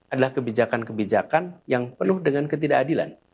adalah kebijakan kebijakan yang penuh dengan ketidakadilan